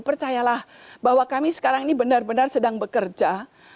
percayalah bahwa kami sekarang ini benar benar sedang bekerja